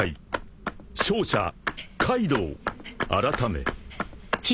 ［勝者カイドウ改め］